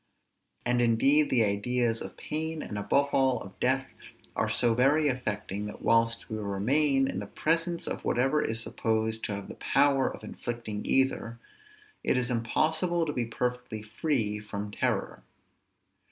And indeed the ideas of pain, and, above all, of death, are so very affecting, that whilst we remain in the presence of whatever is supposed to have the power of inflicting either, it is impossible to be perfectly free from terror.